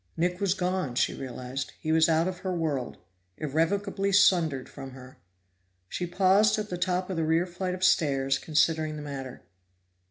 Nick was gone, she realized; he was out of her world, irrevocably sundered from her. She paused at the top of the rear flight of stairs, considering the matter.